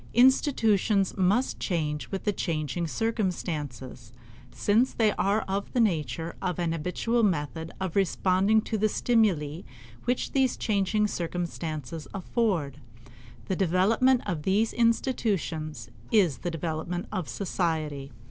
Institutions must change with changing circumstances, since they are of the nature of an habitual method of responding to the stimuli which these changing circumstances afford. The development of these institutions is the development of society.